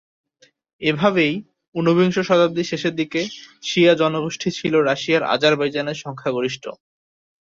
এভাবেই, ঊনবিংশ শতাব্দীর শেষের দিকে, শিয়া জনগোষ্ঠী ছিল রাশিয়ার আজারবাইজানে সংখ্যাগরিষ্ঠ।